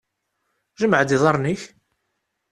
Jmeε-d iḍarren-ik!